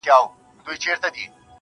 • له خدای وطن سره عجیبه مُحبت کوي.